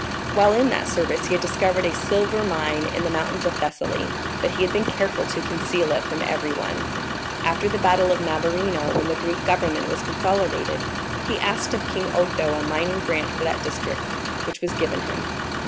While in that service he had discovered a silver mine in the mountains of Thessaly, but he had been careful to conceal it from everyone. After the battle of Navarino, when the Greek government was consolidated, he asked of King Otho a mining grant for that district, which was given him.